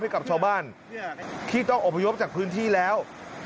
ให้กับชาวบ้านที่ต้องอบพยพจากพื้นที่แล้ว